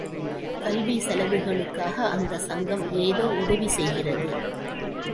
கல்விச் செலவுகளுக்காக அந்தச் சங்கம் ஏதோ உதவி செய்கிறது.